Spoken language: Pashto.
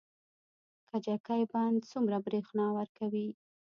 کجکي بند څومره بریښنا ورکوي؟